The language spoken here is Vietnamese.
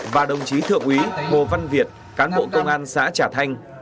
và đồng chí thượng úy hồ văn việt cán bộ công an xã trà thanh